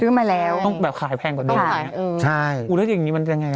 ซื้อมาแล้วใช่